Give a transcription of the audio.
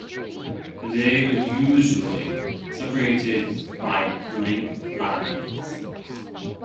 They are usually separated by blank lines.